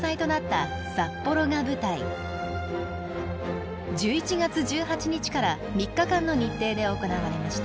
１１月１８日から３日間の日程で行われました。